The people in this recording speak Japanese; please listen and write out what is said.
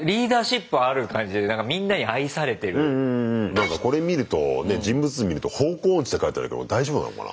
何かこれ見るとね人物見ると「方向音痴」って書いてあるけど大丈夫なのかな。